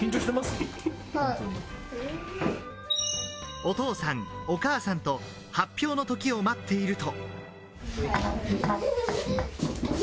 お父さん、お母さんと発表の時を待っていると。